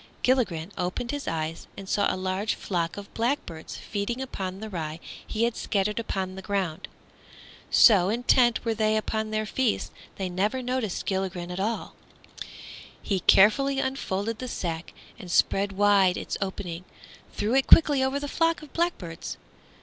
Gilligren opened his eyes and saw a large flock of blackbirds feeding upon the rye he had scattered upon the ground. So intent were they upon their feast they never noticed Gilligren at all. He carefully unfolded the sack, and spreading wide its opening threw it quickly over the flock of blackbirds.